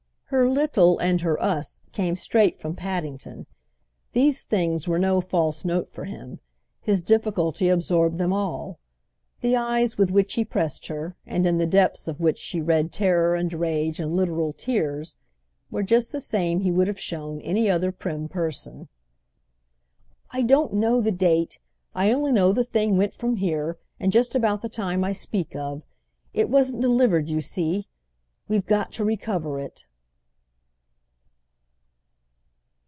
Her "little" and her "us" came straight from Paddington. These things were no false note for him—his difficulty absorbed them all. The eyes with which he pressed her, and in the depths of which she read terror and rage and literal tears, were just the same he would have shown any other prim person. "I don't know the date. I only know the thing went from here, and just about the time I speak of. It wasn't delivered, you see. We've got to recover it."